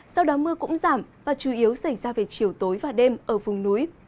sau đó mưa cũng giảm và chủ yếu xảy ra về chiều tối và đêm ở vùng núi